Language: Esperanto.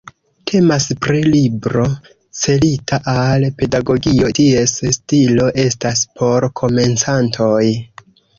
Temas pri libro celita al pedagogio, ties stilo estas por komencantoj.